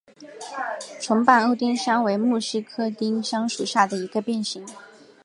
重瓣欧丁香为木犀科丁香属下的一个变型。